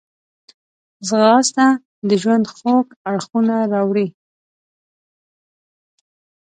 ځغاسته د ژوند خوږ اړخونه راوړي